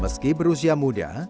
meski berusia muda